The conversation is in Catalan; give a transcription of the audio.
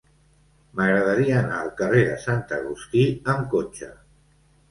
M'agradaria anar al carrer de Sant Agustí amb cotxe.